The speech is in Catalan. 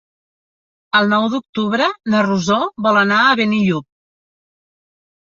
El nou d'octubre na Rosó vol anar a Benillup.